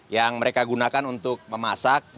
yang mereka gunakan untuk memasak